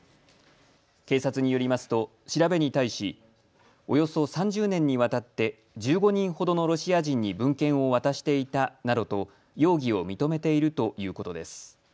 警察によりますと調べに対しおよそ３０年にわたって１５人ほどのロシア人に文献を渡していたなどと容疑を認めているということです。